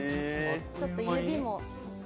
ちょっと指も。